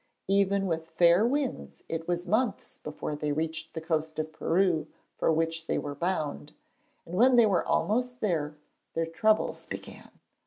Even with fair winds it was months before they reached the coast of Peru for which they were bound, and when they were almost there, their troubles began.